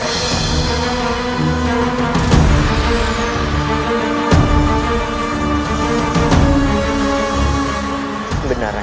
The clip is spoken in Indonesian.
aku mengenalinya raka